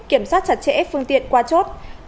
kiểm soát chặt chẽ phương tiện qua chốt